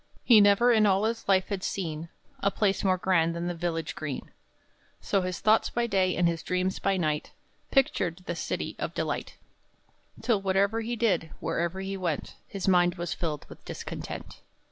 He never, in all his life, had seen A place more grand than the village green; So his thoughts by day, and his dreams by night, Pictured this city of delight, Till whatever he did, wherever he went, His mind was filled with discontent.